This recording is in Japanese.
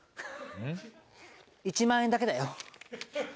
１万円だけだよ。